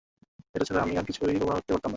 এইটা ছাড়া আমি আর অন্যকিছু কল্পনাও করতে পারতাম না।